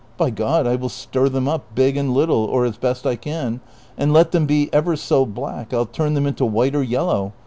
By God I will stir them up, big and little, or as best I can, and let them be ever so black I '11 turn them into white or yellow.